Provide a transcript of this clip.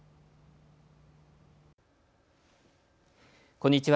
こんにちは。